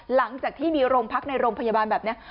หลังจากที่มีโรงพักในโรงพยาบาลแบบนี้